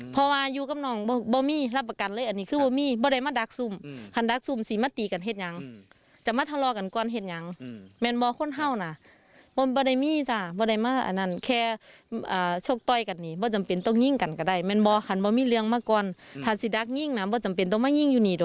พี่แกมาเอาปืนมาดักรอเพื่อที่จะสู้